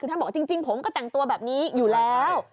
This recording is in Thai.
คือท่านบอกจริงผมก็แต่งตัวแบบนี้อยู่แล้ว